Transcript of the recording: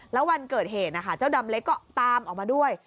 แล้ววันเกิดเหตุนะคะเจ้าดำเล็กก็ตามออกมาด้วย